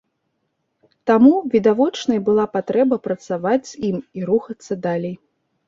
Таму відавочнай была патрэба працаваць з ім і рухацца далей.